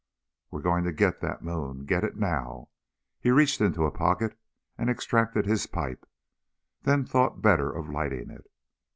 "We're going to get that moon. Get it now!" He reached into a pocket and extracted his pipe, then thought better of lighting it.